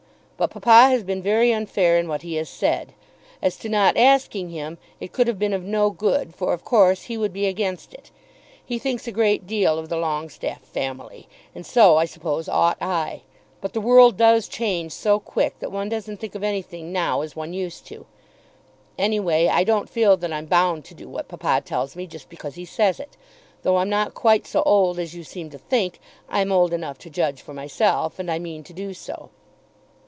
But papa has been very unfair in what he has said. As to not asking him, it could have been of no good, for of course he would be against it. He thinks a great deal of the Longestaffe family, and so, I suppose, ought I. But the world does change so quick that one doesn't think of anything now as one used to do. Anyway, I don't feel that I'm bound to do what papa tells me just because he says it. Though I'm not quite so old as you seem to think, I'm old enough to judge for myself, and I mean to do so.